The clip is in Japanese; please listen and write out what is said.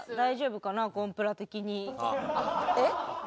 えっ。